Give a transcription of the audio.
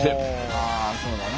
ああそうだな